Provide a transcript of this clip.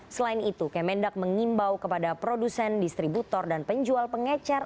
selain itu kemendak mengimbau kepada produsen distributor dan penjual pengecar